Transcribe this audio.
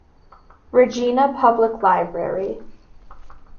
Regina Public Library.